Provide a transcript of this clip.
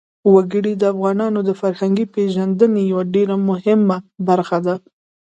وګړي د افغانانو د فرهنګي پیژندنې یوه ډېره مهمه برخه ده.